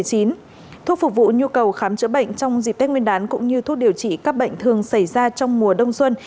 thuốc phục vụ nhu cầu khám chữa bệnh trong dịp tết nguyên đán cũng như thuốc điều trị các bệnh thường xảy ra trong mùa đông xuân